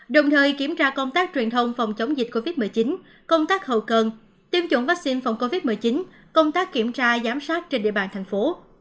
đồng thời kiểm tra công tác truyền thông phòng chống dịch covid một mươi chín công tác hậu cần tiêm chủng vaccine phòng covid một mươi chín công tác kiểm tra giám sát trên địa bàn thành phố